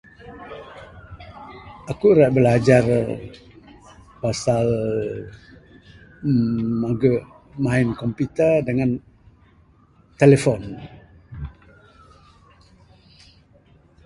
Akuk ra belajar pasal uhh maguh main komputer dengan telefon.